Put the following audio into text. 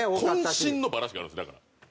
渾身のバラシがあるんですよだから。